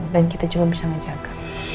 dan kita juga bisa ngejaga